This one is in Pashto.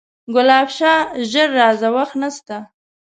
ګلاب شاه ژر راځه وخت نسته